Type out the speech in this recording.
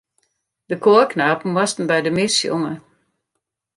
Dy koarknapen moasten by de mis sjonge.